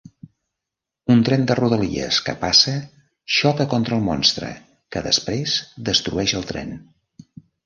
Un tren de rodalies que passa xoca contra el monstre, que després destrueix el tren.